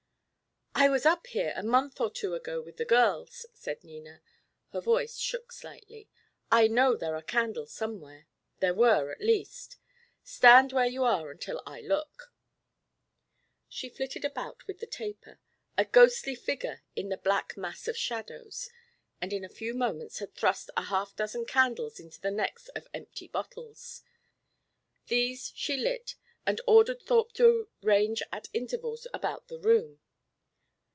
"I was up here a month or two ago with the girls," said Nina. Her voice shook slightly. "I know there are candles somewhere there were, at least. Stand where you are until I look." She flitted about with the taper, a ghostly figure in the black mass of shadows; and in a few moments had thrust a half dozen candles into the necks of empty bottles. These she lit and ordered Thorpe to range at intervals about the room.